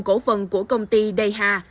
cổ phần của công ty dayha